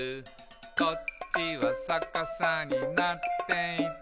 「こっちはさかさになっていて」